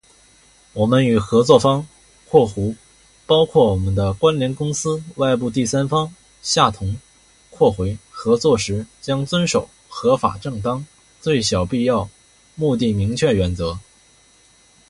我们与合作方（包括我们的关联公司、外部第三方，下同）合作时，将遵守“合法正当、最小必要、目的明确原则”。